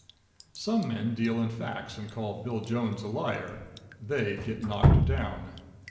Some men deal in facts, and call Bill Jones a liar. They get knocked down.